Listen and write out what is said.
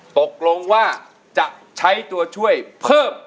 ตกลงว่าจะใช้ตัวช่วยเพิ่ม